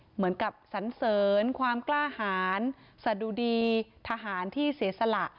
เหมือนกับสันเสริญความกล้าหารสะดุดีทหารที่เสียสละ